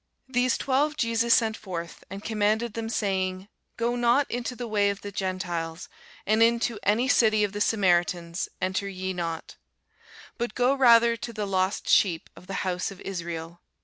These twelve Jesus sent forth, and commanded them, saying, Go not into the way of the Gentiles, and into any city of the Samaritans enter ye not: but go rather to the lost sheep of the house of Israel.